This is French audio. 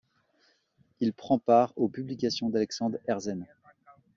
Il prend part aux publications d'Alexandre Herzen.